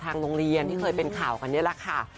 โรงเรียนที่เคยเป็นข่าวกันนี่แหละค่ะ